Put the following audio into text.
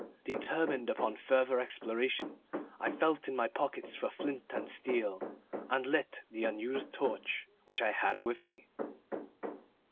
Determined upon further exploration, I felt in my pockets for flint and steel, and lit the unused torch which I had with me.